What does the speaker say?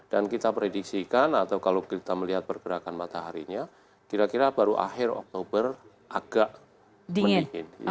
dan kita prediksikan atau kalau kita melihat pergerakan mataharinya kira kira baru akhir oktober agak dingin